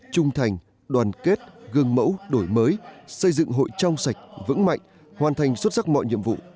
trung thành đoàn kết gương mẫu đổi mới xây dựng hội trong sạch vững mạnh hoàn thành xuất sắc mọi nhiệm vụ